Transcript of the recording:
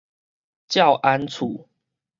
詔安厝